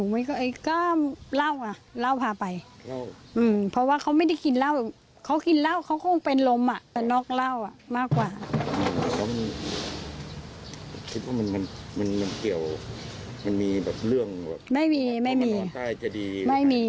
ไม่มีไม่มีไม่มีนอนคนเดียว